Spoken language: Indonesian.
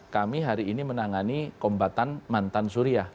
kami hari ini menangani kombatan mantan surya